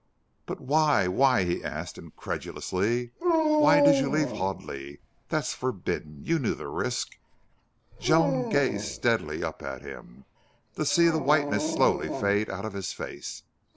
"But why why?" he asked, incredulously. "Why did you leave Hoadley? That's forbidden. You knew the risk." Joan gazed steadily up at him, to see the whiteness slowly fade out of his face.